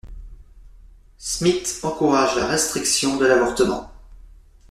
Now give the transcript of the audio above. Smith encourage la restriction de l'avortement.